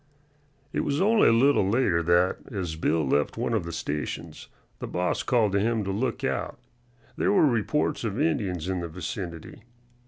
It was only a little later that, as Bill left one of the stations, the boss called to him to look out, there were reports of Indians in the vicinity.